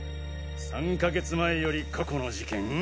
３か月前より過去の事件？